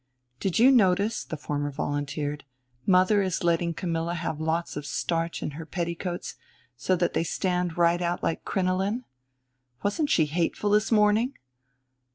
"Did you notice," the former volunteered, "mother is letting Camilla have lots of starch in her petticoats, so that they stand right out like crinoline? Wasn't she hateful this morning!"